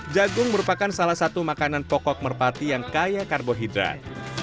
jagung merupakan salah satu makanan pokok merpati yang kaya karbohidrat